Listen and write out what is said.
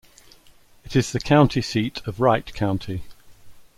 It is the county seat of Wright County.